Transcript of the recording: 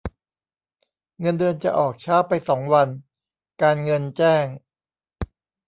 เงินเดือนจะออกช้าไปสองวัน การเงินแจ้ง